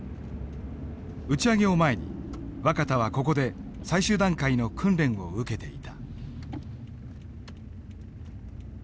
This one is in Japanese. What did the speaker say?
打ち上げを前に若田はここで最終段階の訓練を受けていた。